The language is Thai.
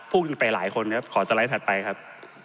ขึ้นไปหลายคนครับขอสไลด์ถัดไปครับ